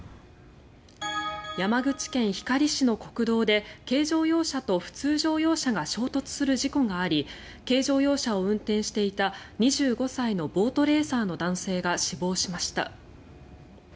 山口県光市の国道で軽乗用車と普通乗用車が衝突する事故があり軽乗用車を運転していた２５歳のボートレーサーの男性が死亡しました。